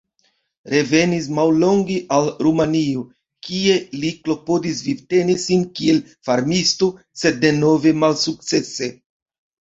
Revenis mallonge al Rumanio, kie li klopodis vivteni sin kiel farmisto, sed denove malsukcese.